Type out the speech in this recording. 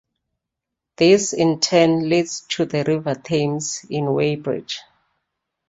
This, in turn, leads to the River Thames at Weybridge.